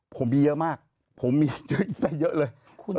ผมมีเยอะมากผมมีแต่เยอะเลย